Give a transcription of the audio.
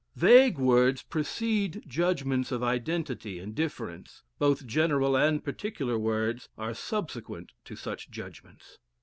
Vague words precede judgments of identity and difference; both general and particular words are subsequent to such judgments.